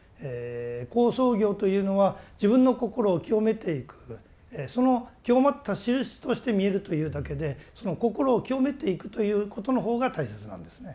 好相行というのは自分の心を清めていくその清まったしるしとして見えるというだけでその心を清めていくということのほうが大切なんですね。